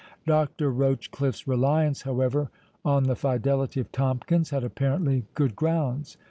Dr. Rochecliffe's reliance, however, on the fidelity of Tomkins, had apparently good grounds.